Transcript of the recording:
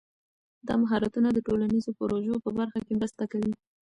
دا مهارتونه د ټولنیزو پروژو په برخه کې مرسته کوي.